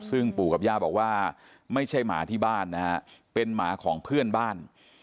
ซึ่งปู่กับย่าบอกว่าไม่ใช่หมาที่บ้านนะฮะเป็นหมาของเพื่อนบ้าน